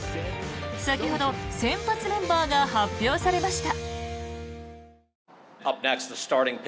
先ほど先発メンバーが発表されました。